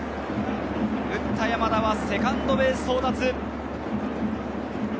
打った山田はセカンドベースに到達。